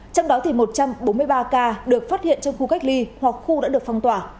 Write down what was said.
trong đó thì một trăm bốn mươi ba ca được phát hiện trong khu cách ly hoặc khu đã được phong tỏa